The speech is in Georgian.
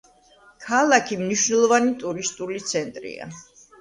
ქალაქი მნიშვნელოვანი ტურისტული ცენტრია.